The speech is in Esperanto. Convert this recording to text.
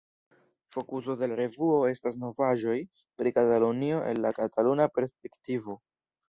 Fokuso de la revuo estas novaĵoj pri Katalunio el la kataluna perspektivo.